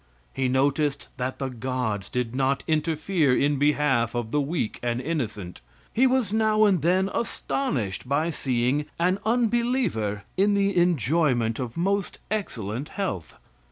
He noticed that the gods did not interfere in behalf of the weak and innocent. He was now and then astonished by seeing an unbeliever in the enjoyment of most excellent health.